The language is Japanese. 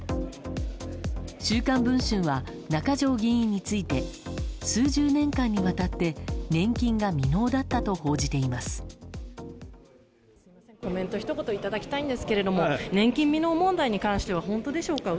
「週刊文春」は中条議員について数十年間にわたって年金が未納だったと報じています。